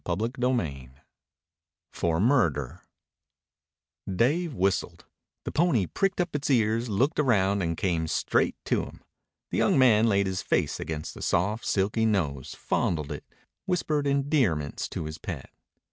CHAPTER XIII FOR MURDER Dave whistled. The pony pricked up its ears, looked round, and came straight to him. The young man laid his face against the soft, silky nose, fondled it, whispered endearments to his pet.